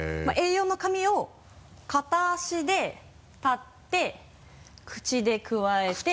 Ａ４の紙を片足で立って口でくわえて。